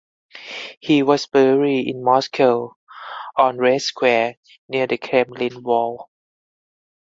He was buried in Moscow on Red Square near the Kremlin Wall.